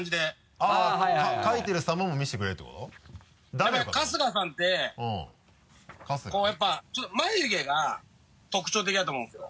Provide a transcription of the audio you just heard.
やっぱり春日さんってこうやっぱ眉毛が特徴的だと思うんですよ。